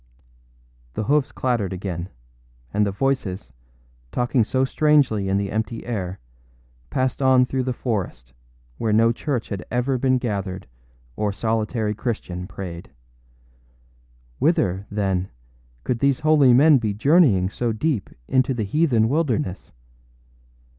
â The hoofs clattered again; and the voices, talking so strangely in the empty air, passed on through the forest, where no church had ever been gathered or solitary Christian prayed. Whither, then, could these holy men be journeying so deep into the heathen wilderness?